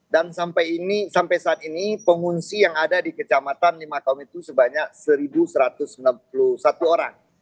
dan sampai saat ini pengungsi yang ada di kecamatan lima kaum itu sebanyak satu satu ratus sembilan puluh satu orang